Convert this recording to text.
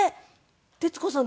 徹子さん